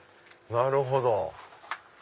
なるほど。